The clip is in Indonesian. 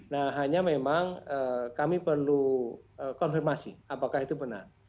nah hanya memang kami perlu konfirmasi apakah itu benar